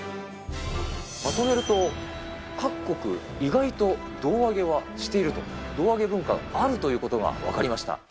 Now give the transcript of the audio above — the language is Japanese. まとめると、各国意外と胴上げはしていると、胴上げ文化はあるということが分かりました。